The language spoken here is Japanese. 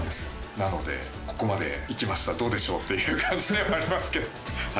なので「ここまで行きましたどうでしょう？」っていう感じではありますけど。